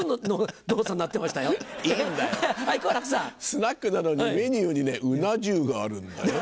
スナックなのにメニューにねうな重があるんだよ。